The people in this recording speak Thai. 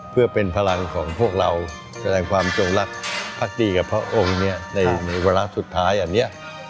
เพื่อเป็นพลังของพวกเราแสดงความจงรักพักดีกับพระองค์นี้ในวาระสุดท้ายอันนี้